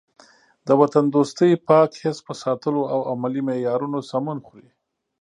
د وطن دوستۍ پاک حس په ساتلو او علمي معیارونو سمون خوري.